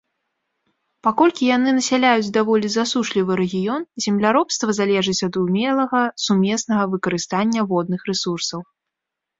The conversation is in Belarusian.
Паколькі яны насяляюць даволі засушлівы рэгіён, земляробства залежыць ад умелага сумеснага выкарыстання водных рэсурсаў.